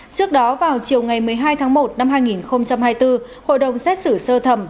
trước đó vào chiều ngày một mươi hai tháng một năm hai nghìn hai mươi bốn hội đồng xét xử sơ thẩm